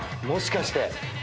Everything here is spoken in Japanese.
もしかして。